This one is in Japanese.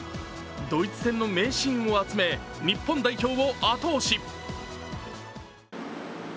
ドイツ戦の名シーンを集め日本代表を後押し。